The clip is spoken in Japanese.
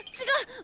違う！